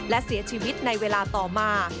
และเสียชีวิตในเวลาต่อมา